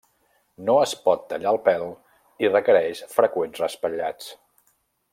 No es pot tallar el pèl i requereix freqüents raspallats.